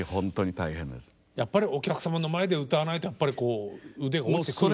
やっぱりお客さまの前で歌わないとやっぱりこう腕が落ちてくると。